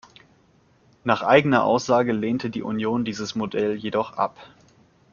Nach eigener Aussage lehnte die Union dieses Modell jedoch ab.